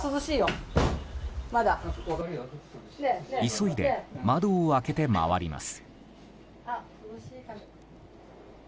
急いで窓を開けて回ります。